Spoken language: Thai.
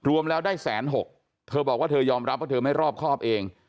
รวมแล้วได้แสนหกเธอบอกว่าเธอยอมรับว่าเธอไม่รอบครอบเอง